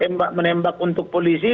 menembak untuk polisi